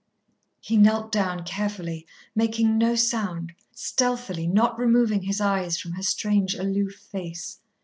He knelt down carefully, making no sound, stealthily, not removing his eyes from her strange, aloof face.